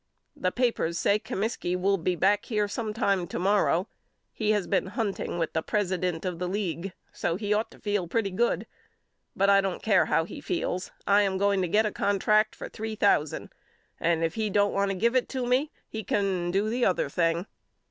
The papers says Comiskey will be back here sometime to morrow. He has been hunting with the president of the league so he ought to feel pretty good. But I don't care how he feels. I am going to get a contract for three thousand and if he don't want to give it to me he can do the other thing.